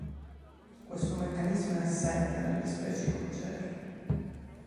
Questo meccanismo è assente nelle specie ipogee.